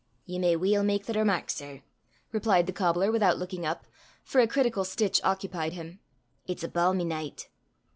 "Ye may weel mak the remark, sir!" replied the cobbler without looking up, for a critical stitch occupied him. "It's a balmy nicht."